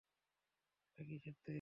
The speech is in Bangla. এটা কীসের তৈরি?